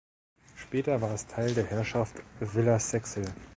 Später war es Teil der Herrschaft Villersexel.